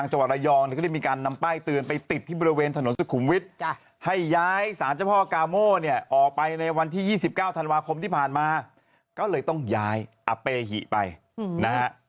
เจ้าพ่อกาโมเนี่ยออกไปในวันที่๒๙ธันวาคมที่ผ่านมาก็เลยต้องย้ายอะเปฮิไปนะ